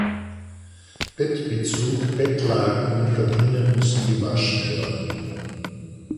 Bettbezug, Bettlaken und Gardinen müssen gewaschen werden.